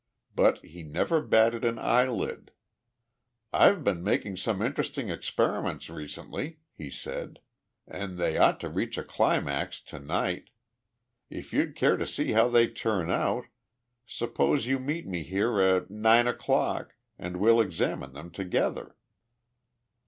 But he never batted an eyelid. 'I've been making some interesting experiments recently,' he said, 'and they ought to reach a climax to night. If you'd care to see how they turn out, suppose you meet me here at nine o'clock and we'll examine them together.'"